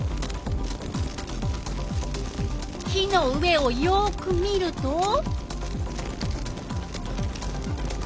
火の上をよく見ると。